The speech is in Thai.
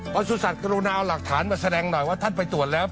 ประสุทธิ์กรุณาเอาหลักฐานมาแสดงหน่อยว่าท่านไปตรวจแล้ว